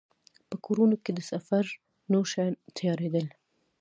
په کورونو کې به د سفر نور شیان تيارېدل.